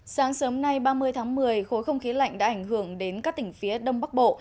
sáng sớm nay ba mươi tháng một mươi khối không khí lạnh đã ảnh hưởng đến các tỉnh phía đông bắc bộ